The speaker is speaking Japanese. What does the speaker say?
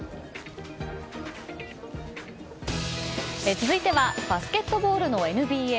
続いてはバスケットボールのＮＢＡ。